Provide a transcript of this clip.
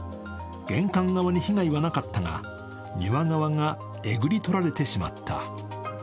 玄関側に被害はなかったが、庭側がえぐり取られてしまった。